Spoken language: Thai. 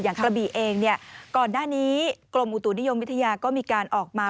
อย่างกระบี่เองก่อนหน้านี้กลมอุตุนิยมวิทยาก็มีการออกมา